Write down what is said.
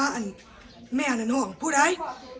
อันดับสุดท้ายก็คืออันดับสุดท้าย